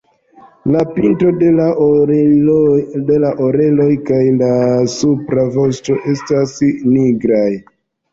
La pinto de la oreloj kaj la supra vosto estas nigraj.